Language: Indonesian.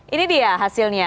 ini dia hasilnya